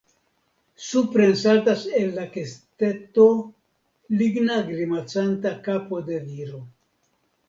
Supren saltas el la kesteto ligna grimacanta kapo de viro.